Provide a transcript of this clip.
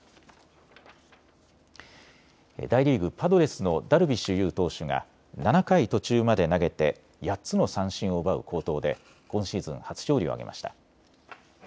大リーグ、パドレスのダルビッシュ有投手が７回途中まで投げて８つの三振を奪う好投で今シーズン初勝利を挙げました。